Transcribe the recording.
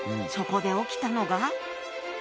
そこで起きたのが。